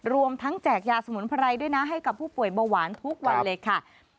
รวมทั้งแจกยาสมุนไพรด้วยนะให้กับผู้ป่วยเบาหวานทุกวันเลยค่ะ